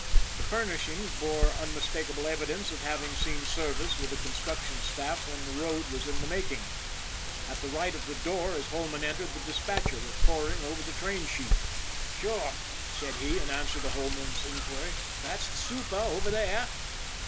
The furnishings bore unmistakable evidence of having seen service with the construction staff when the road was in the making. At the right of the door, as Holman entered, the despatcher was poring over the train sheet. " Sure," said he in answer to Holman's inquiry, " that's the super over there."